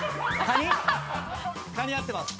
カニ合ってます。